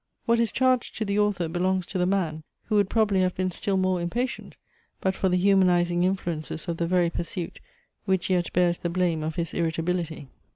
What is charged to the author, belongs to the man, who would probably have been still more impatient, but for the humanizing influences of the very pursuit, which yet bears the blame of his irritability.